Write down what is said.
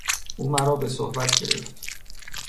او مرا به صحبت گرفت.